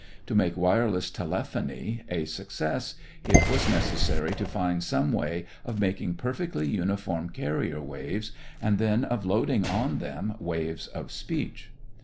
To make wireless telephony a success it was necessary to find some way of making perfectly uniform carrier waves, and then of loading on them waves of speech.